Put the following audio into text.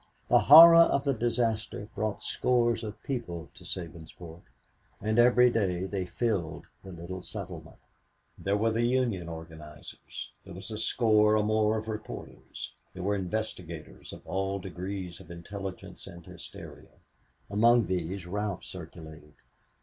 The horror of the disaster brought scores of people to Sabinsport, and every day they filled the little settlement. There were the Union organizers; there was a score or more of reporters; there were investigators of all degrees of intelligence and hysteria. Among these Ralph circulated.